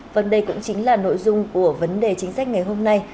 vấn đề cũng chính là nội dung của vấn đề chính sách ngày hôm nay